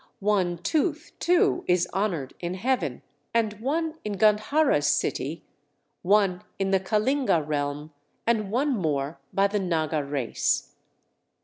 One tooth, too, is honored in heaven, and one in Gandhara's city, one in the Kalinga realm, and one more by the Naga race.